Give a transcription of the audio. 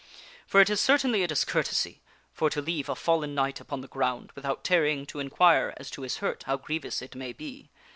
For it is certainly a discourtesy for to leave a fallen knight upon the ground, without tarrying to inquire as to his hurt how grievous it may be.